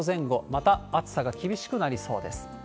また、暑さが厳しくなりそうです。